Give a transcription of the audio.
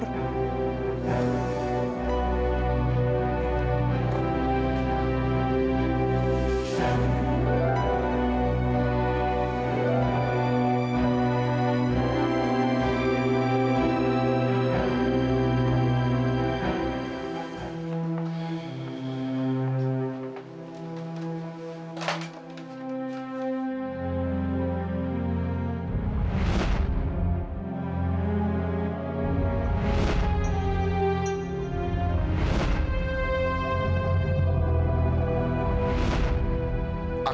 bapak ini pun gila